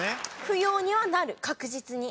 不要にはなる確実に。